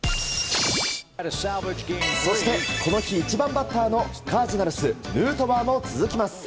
そしてこの日１番バッターのカージナルスのヌートバーも続きます。